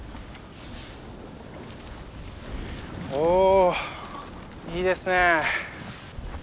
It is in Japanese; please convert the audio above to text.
おいいですね！